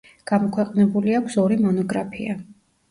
გამოქვეყნებული აქვს ორი მონოგრაფია.